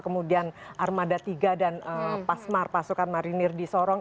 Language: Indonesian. kemudian armada tiga dan pasmar pasukan marinir di sorong